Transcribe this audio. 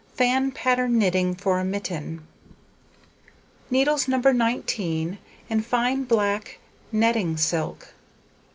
Fan Pattern Knitting for a Mitten. Needles No. 19, and fine black netting silk.